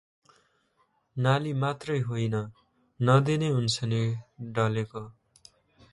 नाली मात्र होइन, नदी नै हुन्छ नि ढलको ।